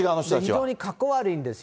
非常にかっこ悪いんです。